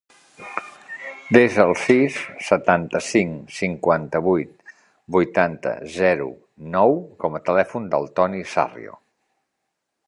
Desa el sis, setanta-cinc, cinquanta-vuit, vuitanta, zero, nou com a telèfon del Toni Sarrio.